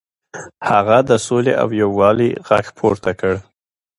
هغه د سولې او یووالي غږ پورته کړ.